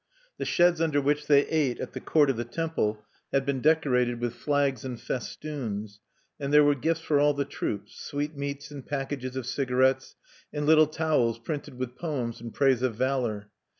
The sheds under which they ate in the court of the temple had been decorated with flags and festoons; and there were gifts for all the troops, sweetmeats, and packages of cigarettes, and little towels printed with poems in praise of valor.